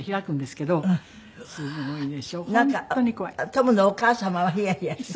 トムのお母様はヒヤヒヤして。